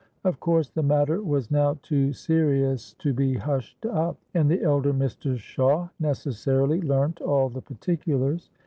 Of course the matter was now too serious to be hushed up; and the elder Mr. Shawe necessarily learnt all the particulars.